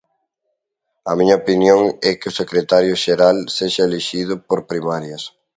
A miña opinión é que o secretario xeral sexa elixido por primarias.